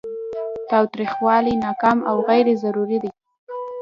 تاوتریخوالی ناکام او غیر ضروري دی.